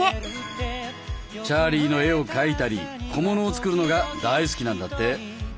チャーリーの絵を描いたり小物を作るのが大好きなんだって。